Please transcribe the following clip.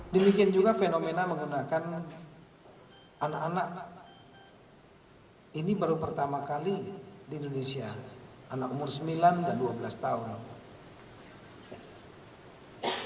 demikian juga fenomena menggunakan anak anak